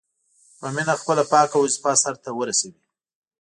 په مینه خپله پاکه وظیفه سرته ورسوي.